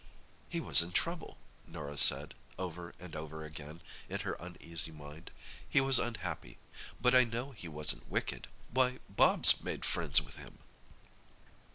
"He was in trouble," Norah said, over and over again, in her uneasy mind; "he was unhappy. But I know he wasn't wicked. Why, Bobs made friends with him!"